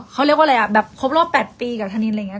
เขาเรียกว่าอะไรอ่ะแบบครบรอบ๘ปีกับธนินอะไรอย่างนี้